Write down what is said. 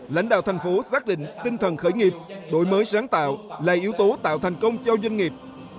lãnh đạo thành phố xác định tinh thần khởi nghiệp đổi mới sáng tạo là yếu tố tạo thành công cho doanh nghiệp